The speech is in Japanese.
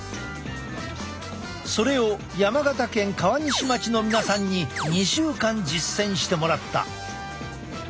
それを山形県川西町の皆さんに２週間実践してもらった。